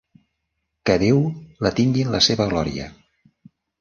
Què Déu la tingui en la seva glòria!